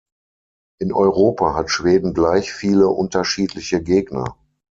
In Europa hat Schweden gleich viele unterschiedliche Gegner.